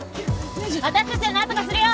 私たちでなんとかするよ！